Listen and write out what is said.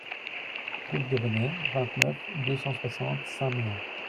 Route du Venneg, vingt-neuf, deux cent soixante Saint-Méen